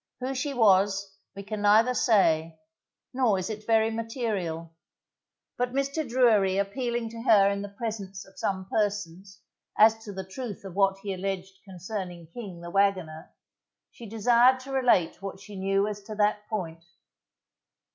Who she was we can neither say, nor is it very material; but Mr. Drury appealing to her in the presence of some persons, as to the truth of what he alleged concerning King, the wagoner, she desired to relate what she knew as to that point.